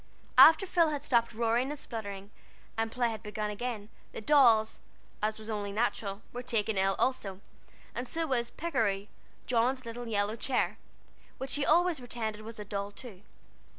After Phil had stopped roaring and spluttering, and play had begun again, the dolls, as was only natural, were taken ill also, and so was "Pikery," John's little yellow chair, which she always pretended was a doll too.